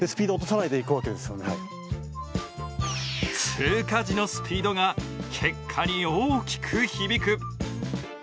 通過時のスピードが結果に大きく響く。